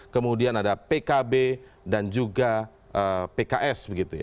kemudian ada pkb dan juga pks